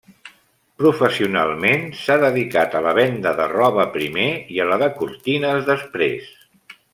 Professionalment, s'ha dedicat a la venda de roba primer i a la de cortines després.